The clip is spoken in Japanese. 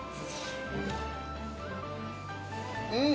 うん！